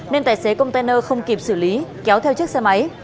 nên tài xế container không kịp xử lý kéo theo chiếc xe máy